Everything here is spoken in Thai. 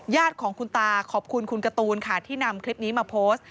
ญาติของคุณตาขอบคุณคุณการ์ตูนค่ะที่นำคลิปนี้มาโพสต์